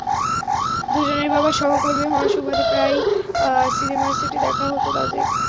দুজনের বাবা সহকর্মী হওয়ার সুবাদে প্রায়ই সিনেমার সেটে দেখা হতো তাঁদের।